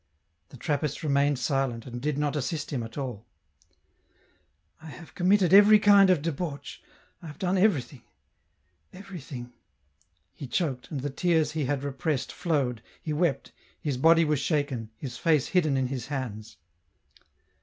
The Trappist remained silent, and did not assist him at all. N 2 l80 EN ROUTB. " I have committed every kind of debauch, I have done everything ... everything ..." He choked, and the tears he had repressed flowed, he wept, his body was shaken, his face hidden in his hands.